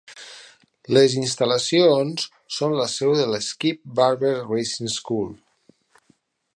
Les instal·lacions són la seu de la Skip Barber Racing School.